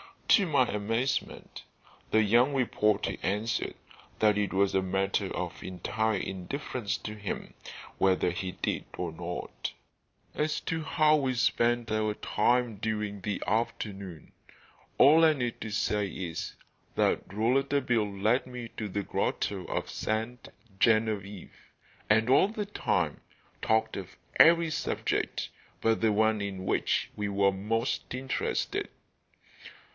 To my amazement the young reporter answered that it was a matter of entire indifference to him whether he did or not. As to how we spent our time during the afternoon, all I need say is that Rouletabille led me to the grotto of Sainte Genevieve, and, all the time, talked of every subject but the one in which we were most interested.